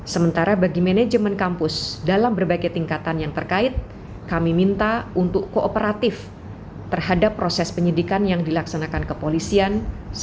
sementara bagi manajemen kampus dalam berbagai tingkatan yang terkait kami minta untuk kooperatif terhadap proses penyidikan yang dilaksanakan kepolisian